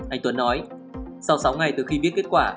anh tuấn nói sau sáu ngày từ khi biết kết quả